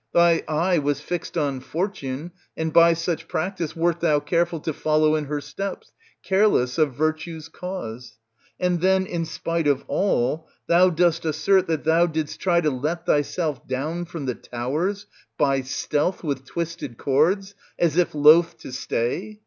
Thy eye was fixed on Fortune, and by such practice wert thou careful to follow in her steps, careless of virtue's cause. And then, in spite of all, thou dost assert that thou didst try to let thyself down from the towers by stealth with twisted cords, as if loth to stay?